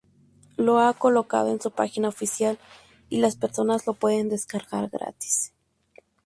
Lo ha colocado en su página oficial, y las personas lo pueden descargar gratis.